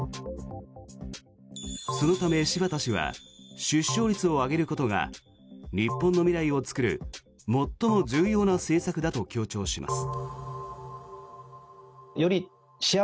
そのため、柴田氏は出生率を上げることが日本の未来を作る最も重要な政策だと強調します。